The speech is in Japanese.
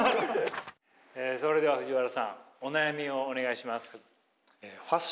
それでは藤原さんお悩みをお願いします。